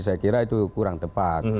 saya kira itu kurang tepat